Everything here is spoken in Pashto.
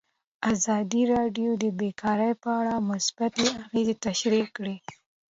ازادي راډیو د بیکاري په اړه مثبت اغېزې تشریح کړي.